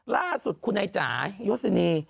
ล่าสุดคุณไอ้จ๋ายศินี